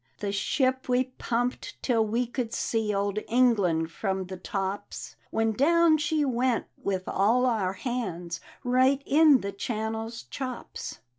" The ship wc pumped till we could see Old England from the tops ; When down she went with all our hands, Right in the' Channel's Chops.